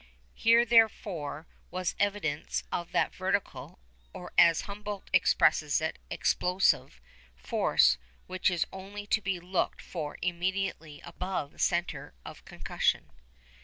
Here, therefore, was evidence of that vertical (or, as Humboldt expresses it, explosive) force which is only to be looked for immediately above the centre of concussion.